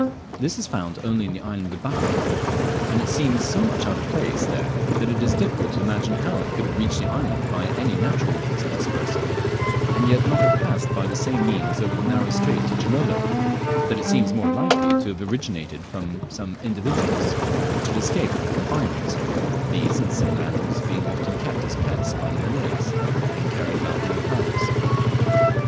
This is found only in the island of Batchian; and it seems so much out of place there as it is difficult to imagine how it could have reached the island by any natural means of dispersal, and yet not have passed by the same means over the narrow strait to Gilolo that it seems more likely to have originated from some individuals which had escaped from confinement, these and similar animals being often kept as pets by the Malays, and carried about in their praus.